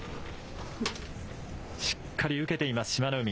しっかり受けています、志摩ノ海。